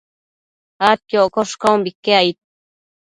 adquioccosh caumbique aid